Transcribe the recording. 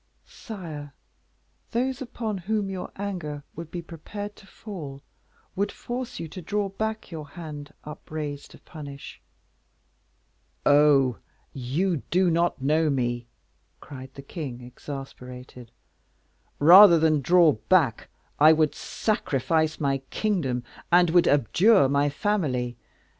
"Sire, those upon whom your anger would be prepared to fall, would force you to draw back your hand upraised to punish." "Oh! you do not know me," cried the king, exasperated. "Rather than draw back, I would sacrifice my kingdom, and would abjure my family.